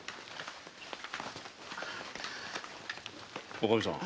おかみさん